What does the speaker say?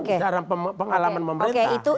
dari pengalaman pemerintah